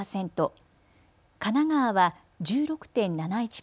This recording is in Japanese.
神奈川は１６．７１％。